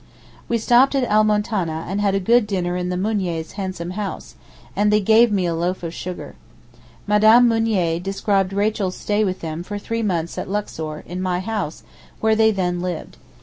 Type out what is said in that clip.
We stopped at El Moutaneh, and had a good dinner in the Mouniers' handsome house, and they gave me a loaf of sugar. Mme. Mounier described Rachel's stay with them for three months at Luxor, in my house, where they then lived.